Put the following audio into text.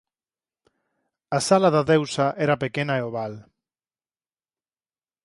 A sala da deusa era pequena e oval.